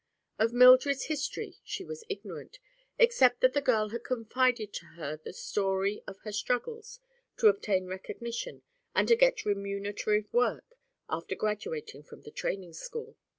Of Mildred's history she was ignorant, except that the girl had confided to her the story of her struggles to obtain recognition and to get remunerative work after graduating from the training school.